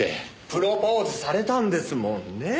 プロポーズされたんですもんねえ。